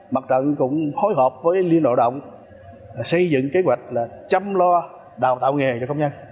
mặt trận cũng phối hợp với liên đoàn động xây dựng kế hoạch chăm lo đào tạo nghề cho công nhân